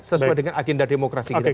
sesuai dengan agenda demokrasi kita